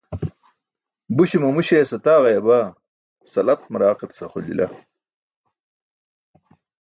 Buśe mamu śeyas ayaaġayabaa, salat maraaq etas axolijl.